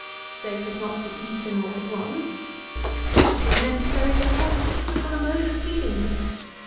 They could not be eaten all at once. It was necessary, therefore, to fix upon a mode of feeding them.